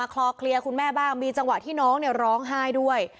คลอเคลียร์คุณแม่บ้างมีจังหวะที่น้องร้องไห้ด้วย